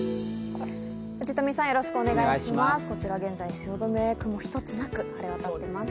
こちら、現在の汐留、雲一つなく晴れ渡っています。